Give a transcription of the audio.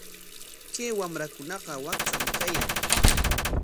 Kay wamrakunaqa wakcham kayan.